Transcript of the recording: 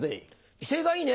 威勢がいいね！